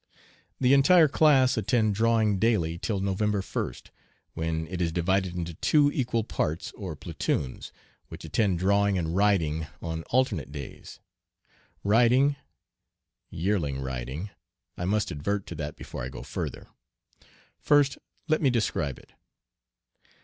The entire class attend drawing daily till November 1st, when it is divided into two equal parts or platoons, which attend drawing and riding on alternate clays. Riding! "Yearling riding!" I must advert to that before I go further. First let me describe it.